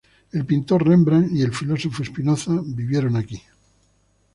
El pintor Rembrandt y el filósofo Spinoza vivieron aquí.